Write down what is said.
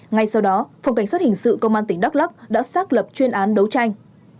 ngay sau đó phòng cảnh sát hình sự công an tỉnh đắk lắk đã xác lập chuyên án đấu tranh